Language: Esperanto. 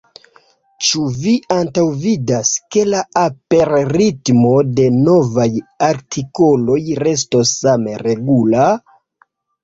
Ĉu vi antaŭvidas, ke la aperritmo de novaj artikoloj restos same regula?